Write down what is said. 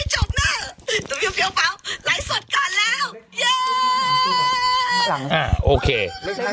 ไหน๓ตกก็ออกก่อน